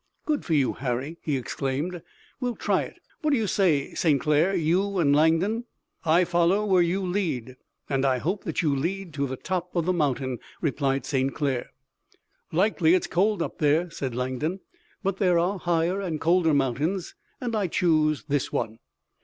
"Good for you, Harry," he exclaimed. "We'll try it! What do you say, St. Clair, you and Langdon?" "I follow where you lead, and I hope that you lead to the top of the mountain," replied St. Clair. "Likely it's cold up there," said Langdon, "but there are higher and colder mountains and I choose this one."